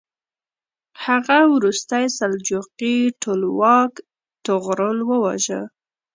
هغه وروستی سلجوقي ټولواک طغرل وواژه.